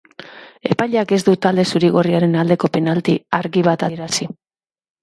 Epaileak ez du talde zuri-gorriaren aldeko penalti argi bat adierazi.